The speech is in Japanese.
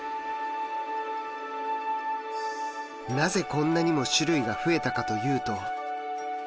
なぜこんなにも種類が増えたかというと。